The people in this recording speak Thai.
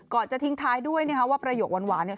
จะทิ้งท้ายด้วยนะคะว่าประโยคหวานเนี่ย